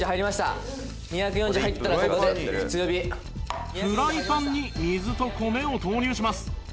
「２４０入ったらここで強火」フライパンに水と米を投入します